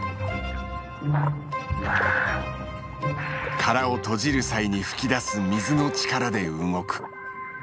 殻を閉じる際に吹き出す水の力で動く。